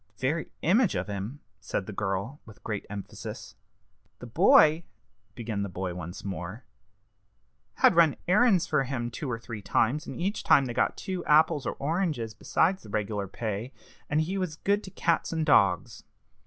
"The very image of him!" said the girl, with great emphasis. "The boy," began the boy once more, "had run errands for him two or three times, and each time had got two apples or oranges besides the reg'lar pay; and he was good to cats and dogs.